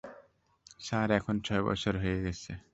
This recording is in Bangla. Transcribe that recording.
স্যার, এখন ছয় বছর হয়ে গেছে।